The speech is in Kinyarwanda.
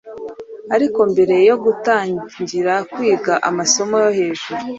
Ariko mbere yo gutangira kwiga amasomo yo hejuru,